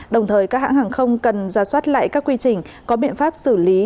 đồng thời các hãng hàng không cần ra soát lại các quy trình có biện pháp xử lý